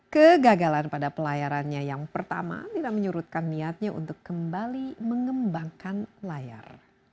kegagalan pada pelayarannya yang pertama tidak menyurutkan niatnya untuk kembali mengembangkan layar